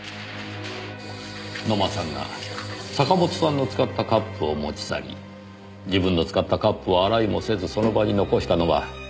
野間さんが坂本さんの使ったカップを持ち去り自分の使ったカップを洗いもせずその場に残したのは。